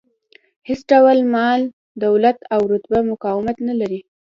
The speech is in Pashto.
هېڅ ډول مال، دولت او رتبه مقاومت نه لري.